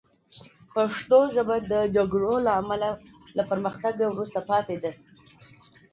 پښتو ژبه د جګړو له امله له پرمختګ وروسته پاتې ده